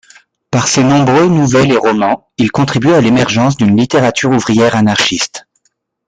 Par ses nombreux nouvelles et romans, il contribue à l'émergence d'une littérature ouvrière anarchiste.